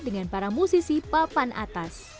dengan para musisi papan atas